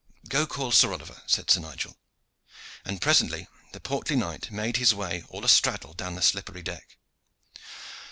"Go call Sir Oliver!" said Sir Nigel, and presently the portly knight made his way all astraddle down the slippery deck.